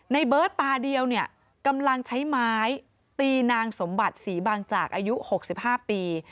เบิร์ตตาเดียวเนี่ยกำลังใช้ไม้ตีนางสมบัติศรีบางจากอายุ๖๕ปี